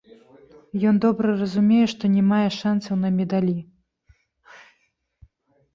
Ён добра разумее, што не мае шанцаў на медалі.